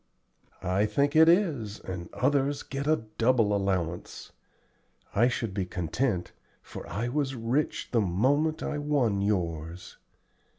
"I think it is, and others get a double allowance. I should be content, for I was rich the moment I won yours."